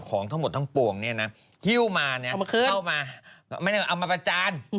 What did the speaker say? ของทั้งหมดทั้งปวงเนี่ยนะฮิ้วมาเนี่ยเข้ามาไม่ได้เอามาประจาน